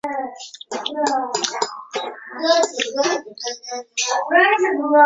太古宙是地质年代中的一个宙。